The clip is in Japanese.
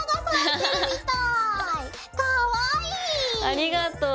ありがとう。